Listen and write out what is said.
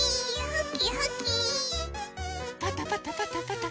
パタパタ